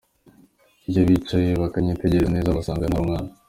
Iyo bicaye bakanyitegereza neza basanga ntari umwana”.